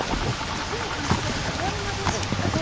じゃ手の感触が変わるまでしっかりと。